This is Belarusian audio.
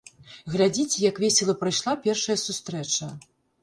Глядзіце, як весела прайшла першая сустрэча!